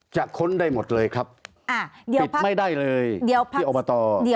จะค้นได้หมดเลยครับปิดไม่ได้เลยที่อบต